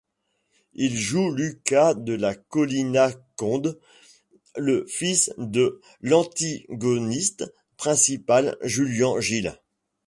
Il joue Luca de la Colina Conde, le fils de l'antigoniste principal Julián Gil.